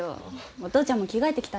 お父ちゃんも着替えてきたら？